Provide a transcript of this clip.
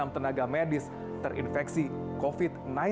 empat puluh enam tenaga medis terinfeksi covid sembilan belas